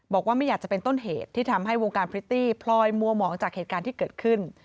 บอกว่าไม่อยากจะเป็นต้นเหตุที่ทำให้วงการพริตตี้พลอยมัวหมองจากเหตุการณ์ที่เกิดขึ้น